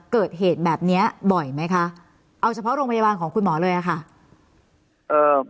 เกิดเหตุแบบเนี้ยบ่อยไหมคะเอาเฉพาะโรงพยาบาลของคุณหมอเลยอะค่ะ